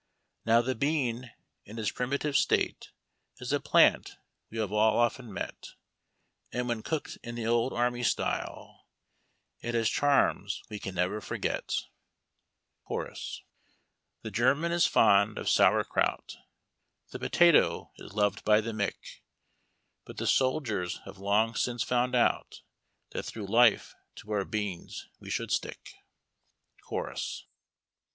Now the bean, in its primitive state, Is a plant we have all often met ; And when cooked in the old army style It has charms we can never forget. — CiiORUS. 138 HARD TACK AND COFFEE. The German is fond of sauer kraut, The potato is loved by the Mick, But tlie soldiers have long since found out That through life to our beans we should stick. — Chorus.